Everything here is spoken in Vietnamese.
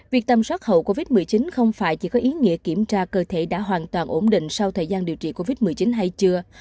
việc tầm soát hậu covid một mươi chín không phải chỉ có ý nghĩa kiểm tra cơ thể đã hoàn toàn ổn định sau thời gian điều trị covid một mươi chín hay chưa